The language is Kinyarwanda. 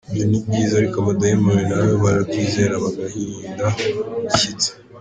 Ibyo ni byiza, ariko abadayimoni na bo barabyizera bagahinda imishyitsi.